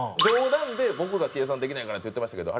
冗談で僕が計算できないからって言ってましたけど